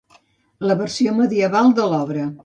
La versió medieval de l'obra.